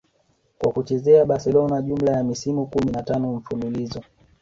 kwa kuchezea Barcelona jumla ya misimu kumi na tano mfululizo